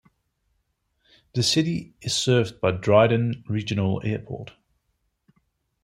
The city is served by Dryden Regional Airport.